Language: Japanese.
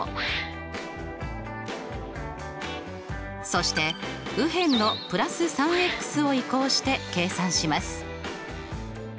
そして右辺の＋３を移項して計算します。